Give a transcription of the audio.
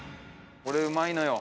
これうまいのよ。